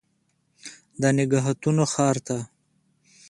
د نګهتونو ښار ته